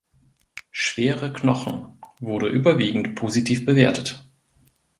Schwere Knochen wurde überwiegend positiv bewertet.